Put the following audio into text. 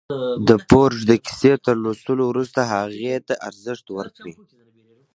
د فورډ د کيسې تر لوستو وروسته هغې ته ارزښت ورکړئ.